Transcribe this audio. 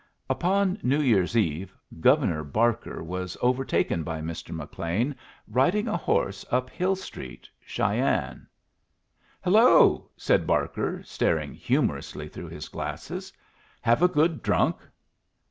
Upon New year's Eve Governor Barker was overtaken by Mr. McLean riding a horse up Hill Street, Cheyenne. "Hello!" said Barker, staring humorously through his glasses. "Have a good drunk?"